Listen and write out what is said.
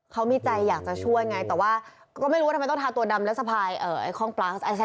เขามีใจอยากจะช่วยไงแต่ว่าก็ไม่รู้ว่าทำไมต้องทาตัวดำและสะพายคล่องปลาส